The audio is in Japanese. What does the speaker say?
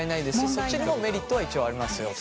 そっちにもメリットは一応ありますよと。